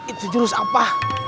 itu jurus apa